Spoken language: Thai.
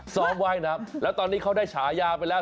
ว่ายน้ำแล้วตอนนี้เขาได้ฉายาไปแล้ว